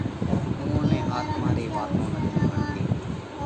اُوئا نئہ آتما ري واتون نٿِي وڻتي۔